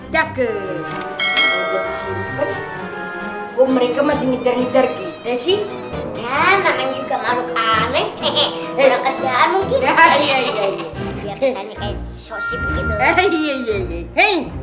takut simpen gua mereka masih ngitar ngitar kita sih